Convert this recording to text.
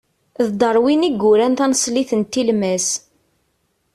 D Darwin i yuran taneṣlit n tilmas.